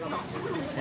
apa yang beda